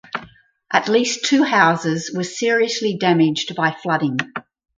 At least two houses were seriously damaged by flooding.